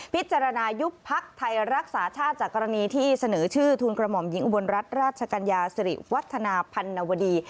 พิจารณายุบพักไทยรักษาชาติจากกรณีที่เสนอชื่อทุนกระหม่อมหญิงอุบลรัฐราชกัญญาสิริวัฒนาพันนวดี